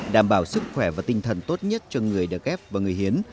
đảm bảo sức khỏe và tinh thần tốt nhất cho người được ghép và người hiến